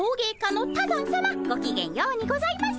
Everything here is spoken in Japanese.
ごきげんようにございます。